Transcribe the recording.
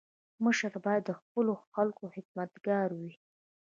مشر باید د خپلو خلکو خدمتګار وي.